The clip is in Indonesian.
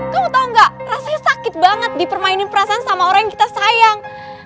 kamu tau gak rasanya sakit banget dipermainin perasaan sama orang yang kita sayang